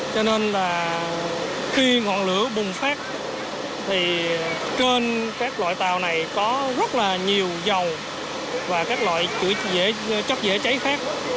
cho nên là khi ngọn lửa bùng phát thì trên các loại tàu này có rất là nhiều dầu và các loại củi dễ chất dễ cháy khác